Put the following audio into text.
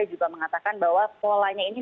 juga mengatakan bahwa polanya ini